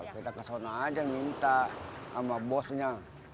kita ke sana aja minta sama bosnya